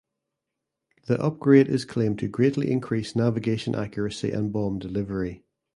The upgrade is claimed to greatly increase navigation accuracy and bomb delivery.